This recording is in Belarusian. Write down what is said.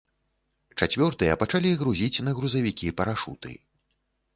Чацвёртыя пачалі грузіць на грузавікі парашуты.